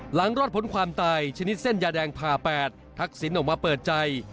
หลังรอดผลความตายชนิดเส้นยาแดงพา๘ทักศิลป์ออกมาเปิดใจ